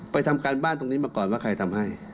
ทำการบ้านตรงนี้มาก่อนว่าใครทำให้